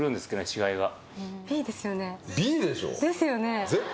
違いがですよね